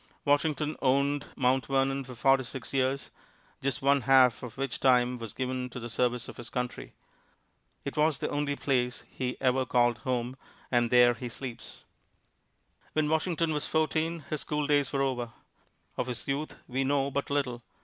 Washington owned Mount Vernon for forty six years, just one half of which time was given to the service of his country. It was the only place he ever called "home," and there he sleeps. When Washington was fourteen, his schooldays were over. Of his youth we know but little.